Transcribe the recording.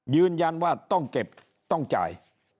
ยืนยันว่าต้องเก็บต้องจ่าย